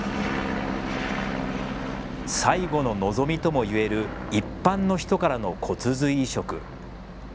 最後の望みともいえる一般の人からの骨髄移植。